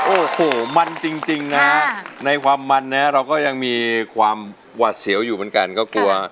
โอ้โหมันจริงนะฮะในความมันนะเราก็ยังมีความหวาดเสียวอยู่เหมือนกันก็กลัว